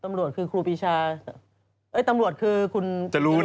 ตำรวจคือครูปีชาเอ้ยตำรวจคือคุณจรูน